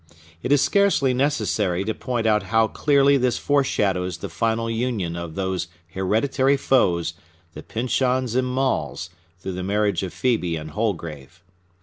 It is scarcely necessary to point out how clearly this foreshadows the final union of those hereditary foes, the Pyncheons and Maules, through the marriage of Phœbe and Holgrave.